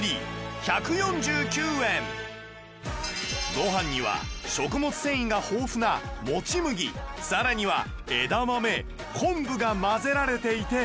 ご飯には食物繊維が豊富なもち麦更には枝豆昆布が混ぜられていて